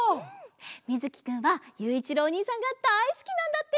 みずきくんはゆういちろうおにいさんがだいすきなんだって！